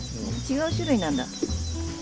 違う種類なんだ。